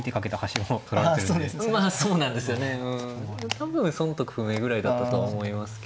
多分損得不明ぐらいだったとは思いますけど。